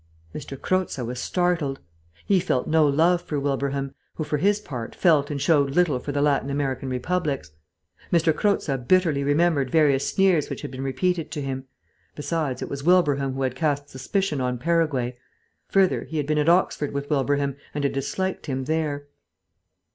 M. Croza was startled. He felt no love for Wilbraham, who, for his part, felt and showed little for the Latin American republics. M. Croza bitterly remembered various sneers which had been repeated to him.... Besides, it was Wilbraham who had cast suspicion on Paraguay. Further, he had been at Oxford with Wilbraham, and had disliked him there.